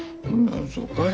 あそうかい。